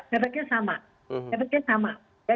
ya efeknya sama